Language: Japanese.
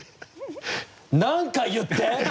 何か言って！